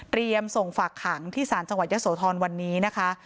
เตรียมส่งฝักหังที่ศาลจังหวัดยศโทรณ์วันนี้นะคะ